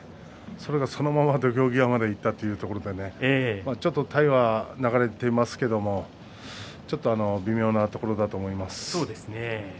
それが、そのまま土俵際までいったということでちょっと体が流れていますけれど微妙なところだと思います。